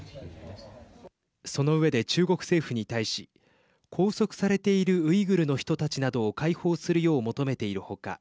その上で中国政府に対し拘束されているウイグルの人たちなどを解放するよう求めている他